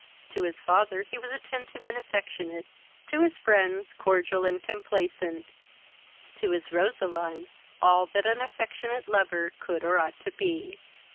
To his father he was attentive and affectionate, to his friends cordial and complacent, to his Roseline all that an affectionate lover could or ought to be.